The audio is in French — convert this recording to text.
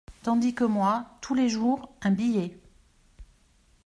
Tandis que moi… tous les jours, un billet…